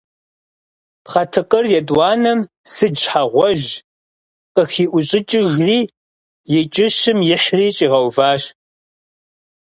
Пхъэтыкъыр етӀуанэм сыдж щхьэгъуэжь къыхиӀущӀыкӀыжри, и кӀыщым ихьри щигъэуващ.